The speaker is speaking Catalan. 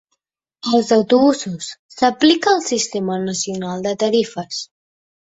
Als autobusos s'aplica el sistema nacional de tarifes.